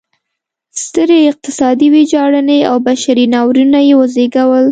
سترې اقتصادي ویجاړنې او بشري ناورینونه یې وزېږول.